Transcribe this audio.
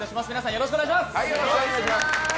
よろしくお願いします。